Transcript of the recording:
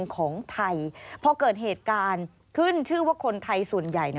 คนไทยส่วนใหญ่